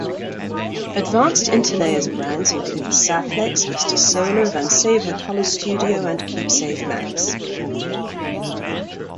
Advanced Interlayers brands include Saflex, Vistasolar, Vanceva Color Studio and KeepSafe Max.